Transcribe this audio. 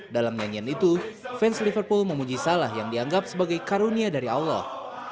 dalam nyanyian itu fans liverpool memuji salah yang dianggap sebagai karunia dari allah